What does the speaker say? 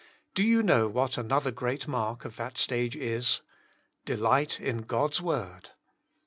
Do you know what another great mark of that stage is? Delight in God's word.